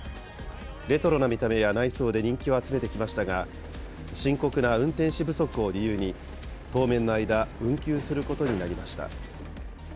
レトロな見た目や内装で人気を集めてきましたが、深刻な運転士不足を理由に、当面の間、運休することになりました。